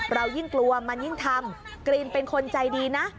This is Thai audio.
เรายิ่งกลัวมันยิ่งทำกรีนเป็นคนใจดีนะ